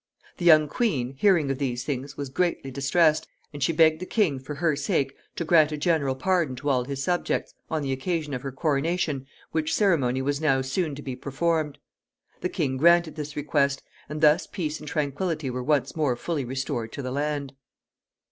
The young queen, hearing of these things, was greatly distressed, and she begged the king, for her sake, to grant a general pardon to all his subjects, on the occasion of her coronation, which ceremony was now soon to be performed. The king granted this request, and thus peace and tranquillity were once more fully restored to the land.